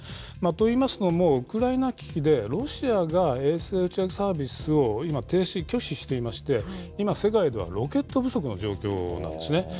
といいますのも、ウクライナ危機でロシアが衛星打ち上げサービスを今、停止、拒否していまして、今、世界ではロケット不足の状況なんですね。